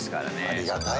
ありがたい。